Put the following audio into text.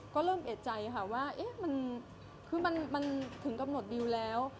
ก็เริ่มเอกใจค่ะว่ามันคือมันถึงกำหนดดิวแล้ว